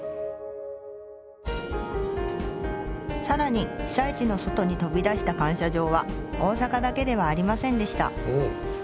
更に被災地の外に飛び出した感謝状は大阪だけではありませんでした。